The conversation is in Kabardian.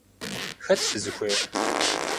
Хэт фызыхуейр?